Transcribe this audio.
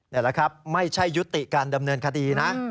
นี่แหละครับไม่ใช่ยุติการดำเนินคดีนะ